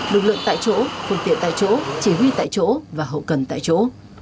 lực lượng tại chỗ phương tiện tại chỗ chỉ huy tại chỗ và hậu cần tại chỗ